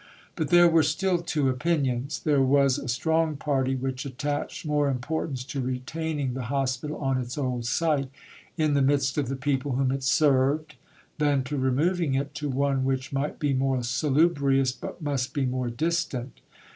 But there were still two opinions. There was a strong party which attached more importance to retaining the Hospital on its old site, "in the midst of the people whom it served," than to removing it to one which might be more salubrious, but must be more distant.